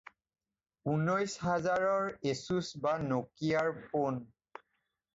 ঊনৈশ হাজাৰৰ এছুছ বা ন'কিয়াৰ ফ'ন।